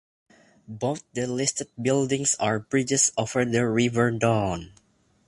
Both the listed buildings are bridges over the River Don